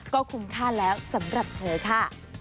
ก็คุ้มค่าแล้วสำหรับเธอค่ะ